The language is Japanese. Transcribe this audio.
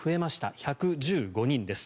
１１５人です。